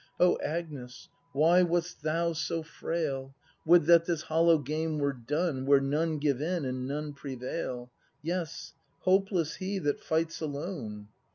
— O Agnes, why wast thou so frail ? Would that this hollow game were done, Where none give in, and none prevail; — Yes, hopeless he that fights alone!